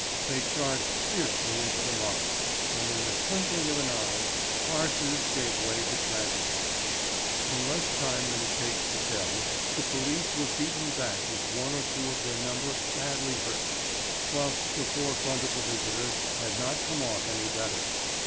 They charged fiercely into the mob, and in the twinkling of an eye farces gave way to tragedy. In less time than it takes to tell the police were beaten back with one or two of their number badly hurt, whilst the forefront of the visitors had not come off any better.